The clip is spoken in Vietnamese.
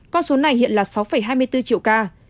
con số này hiện là sáu hai mươi bốn triệu ca